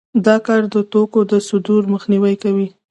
دا کار د توکو د صدور مخنیوی کوي